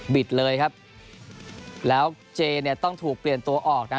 เลยครับแล้วเจเนี่ยต้องถูกเปลี่ยนตัวออกนะ